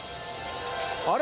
あれ？